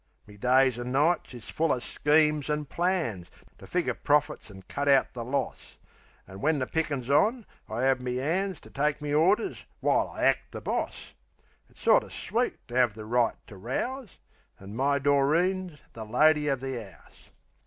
Me days an' nights is full of schemes an' plans To figger profits an' cut out the loss; An' when the pickin's on, I 'ave me 'an's To take me orders while I act the boss; It's sorter sweet to 'ave the right to rouse.... An' my Doreen's the lady of the 'ouse.